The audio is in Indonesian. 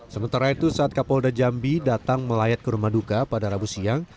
sementara itu saat kapolda jambi datang melayat ke rumah duka pada rabu siang